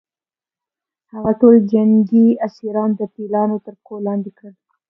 هغه ټول جنګي اسیران د پیلانو تر پښو لاندې کړل.